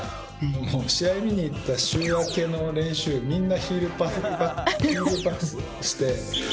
もう試合を見に行った週明けの練習みんなヒールパスして。